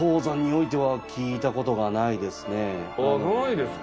ないですか？